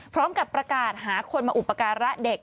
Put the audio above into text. พร้อมกับประกาศหาคนมาอุปการะเด็ก